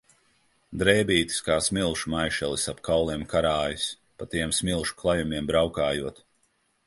Drēbītes kā smilšu maišelis ap kauliem karājas, pa tiem smilšu klajumiem braukājot.